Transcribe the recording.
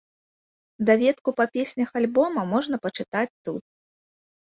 Даведку па песнях альбома можна пачытаць тут.